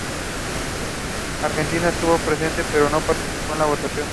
Argentina estuvo presente pero no participó en la votación.